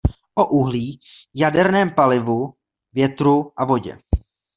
O uhlí, jaderném palivu, větru a vodě.